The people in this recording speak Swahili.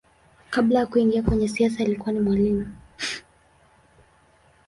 Kabla ya kuingia kwenye siasa alikuwa ni mwalimu.